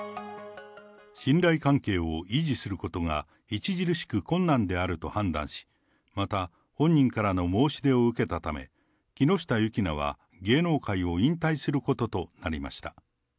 信頼関係を維持することが著しく困難であると判断し、また本人からの申し出を受けたため、木下優樹菜は、芸能界を引退することとなりました。